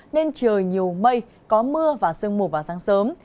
nên trời nhiều mây có mưa và sương mù vào sáng sớm